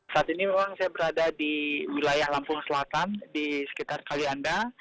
saat ini memang saya berada di wilayah lampung selatan di sekitar kalianda